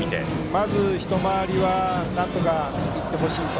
まず一回りはなんとかいってほしいと。